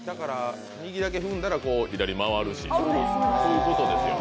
右を踏んだら左に回るしということですよね。